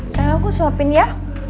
sayang aku suapin ya